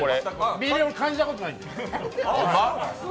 ビリビリ感じたことないんで。